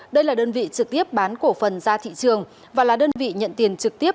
đây là đơn vị trực tiếp bán cổ phần ra thị trường và là đơn vị nhận tiền trực tiếp